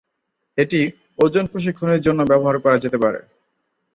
এটি ওজন প্রশিক্ষণের জন্যও ব্যবহার করা যেতে পারে।